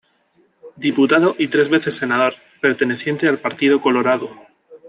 Diputado y tres veces Senador, perteneciente al Partido Colorado.